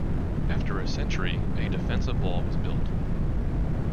After a century, a defensive wall was built.